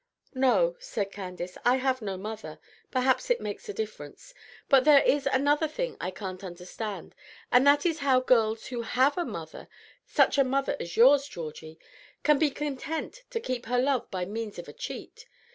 "No," said Candace, "I have no mother. Perhaps it makes a difference. But there is another thing I can't understand, and that is how girls who have a mother such a mother as yours, Georgie can be content to keep her love by means of a cheat.